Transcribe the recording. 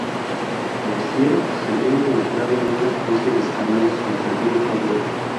Mercier se vio involucrado en una especie de escándalos y perdió el favor.